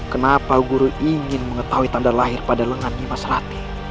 kenapa guru ingin mengetahui tanda lahir pada lengan dimas rati